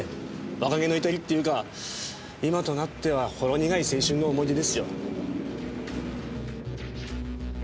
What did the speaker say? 若気の至りっていうか今となってはほろ苦い青春の思い出ですよ。